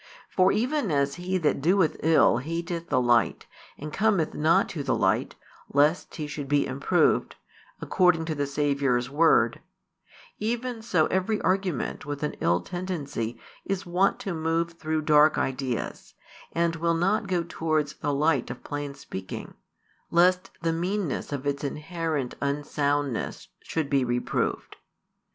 For even as he that doeth ill hateth the light, and cometh not to the light, lest he should be improved, according to the Saviour's word; even so every argument with an ill tendency is wont to move through dark ideas, and will not go towards the light of plain speaking, lest the meanness of its inherent unsoundness should be reproved.